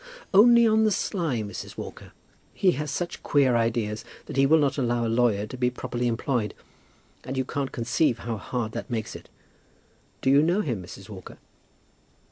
"Only on the sly, Mrs. Walker. He has such queer ideas that he will not allow a lawyer to be properly employed; and you can't conceive how hard that makes it. Do you know him, Mrs. Walker?"